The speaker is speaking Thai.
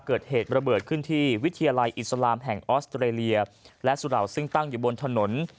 เกิดเหตุระเบิดขึ้นที่วิทยาลัยอิสลามแห่งออสเตรเลียและสุเหล่าซึ่งตั้งอยู่บนถนน